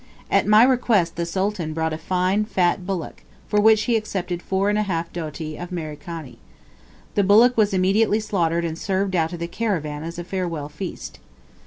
At my request the Sultan brought a fine fat bullock, for which he accepted four and a half doti of Merikani. The bullock was immediately slaughtered and served out to the caravan as a farewell feast.